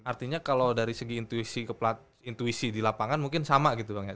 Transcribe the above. artinya kalau dari segi intuisi ke intuisi di lapangan mungkin sama gitu bang ya